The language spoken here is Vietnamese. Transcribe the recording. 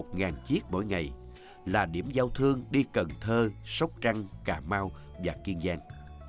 lúc lên đến một chiếc mỗi ngày là điểm giao thương đi cần thơ sóc trăng cà mau và kiên giang